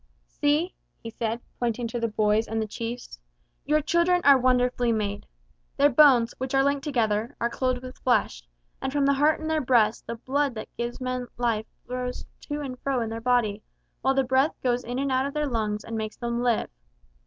"See," he said, pointing to the boys and the chiefs, "your children are wonderfully made. Their bones, which are linked together, are clothed with flesh; and from the heart in their breasts the blood that gives men life flows to and fro through their bodies, while the breath goes in and out of their lungs and makes them live.